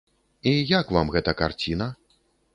І як вам гэта карціна?